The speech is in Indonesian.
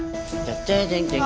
jeng jeng jeng jeng jeng